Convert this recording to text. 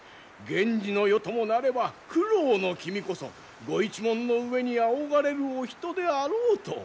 源氏の世ともなれば九郎の君こそご一門の上に仰がれるお人であろうとおうわさされております。